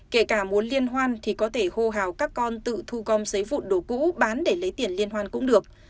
kể cả muốn liên hoan thì có thể hô hào các con tự thu gom giấy vụn đồ cũ bán để lấy tiền liên hoan cũng được